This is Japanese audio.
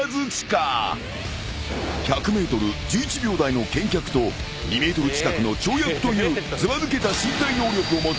［１００ｍ１１秒台の健脚と２ｍ近くの跳躍というずばぬけた身体能力を持つ］